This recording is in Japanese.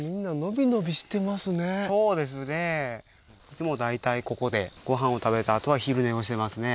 いつも大体ここでご飯を食べたあとは昼寝をしてますね。